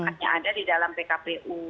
hanya ada di dalam pkpu